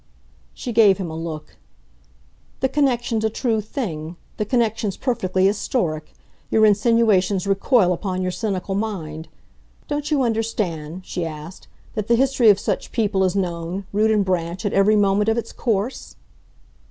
She gave him a look. "The connection's a true thing the connection's perfectly historic, Your insinuations recoil upon your cynical mind. Don't you understand," she asked, "that the history of such people is known, root and branch, at every moment of its course?"